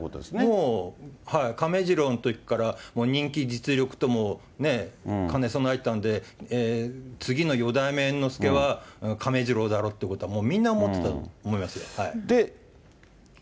もう、亀治郎のときから、人気、実力とも兼ね備えてたんで、次の四代目猿之助は亀治郎だろうってことは、もうみんな思ってたと思いますよ。